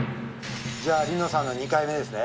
じゃ梨乃さんの２回目ですね。